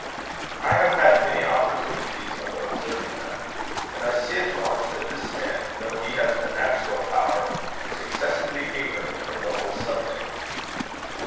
"I have had many opportunities of observing them; and I see at once that this man, though he has the natural power, is excessively ignorant of the whole subject."